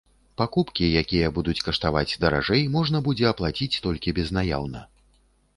Пакупкі, якія будуць каштаваць даражэй, можна будзе аплаціць толькі безнаяўна.